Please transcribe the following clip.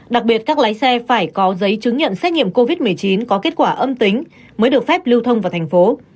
đặc biệt các lái xe phải có giấy chứng nhận xét nghiệm covid một mươi chín có kết quả âm tính mới được phép lưu thông vào thành phố